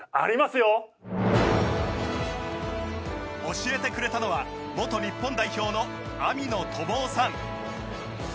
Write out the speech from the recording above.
教えてくれたのは元日本代表の網野友雄さん。